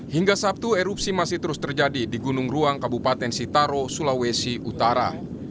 hingga sabtu erupsi masih terus terjadi di gunung ruang kabupaten sitaro sulawesi utara